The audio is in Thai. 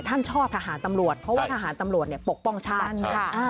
ท่านชอบทหารตำรวจเพราะว่าทหารตำรวจปกป้องชาติ